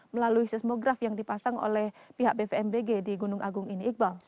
melalui seismograf yang dipasang oleh pihak bvmbg di gunung agung ini iqbal